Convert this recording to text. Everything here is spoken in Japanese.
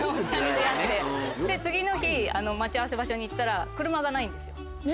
次の日待ち合わせ場所に行ったら車がないんですよ。